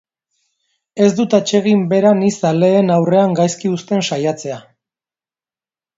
Ez dut atsegin bera ni zaleen aurrean gaizki uzten saiatzea.